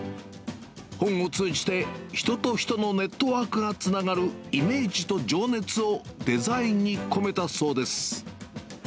本を通じて人と人のネットワークがつながるイメージと情熱をデザインに込めたそうです。